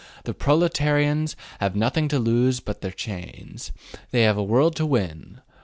The proletarians have nothing to lose but their chains. They have a world to win.